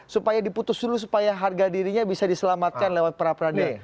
supaya diputus dulu supaya harga dirinya bisa diselamatkan lewat peradilan